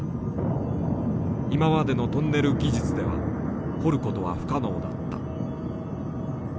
今までのトンネル技術では掘ることは不可能だった。